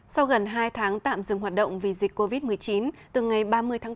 sau gần hai tháng tạm dừng hoạt động vì dịch covid một mươi chín từ ngày ba mươi tháng bốn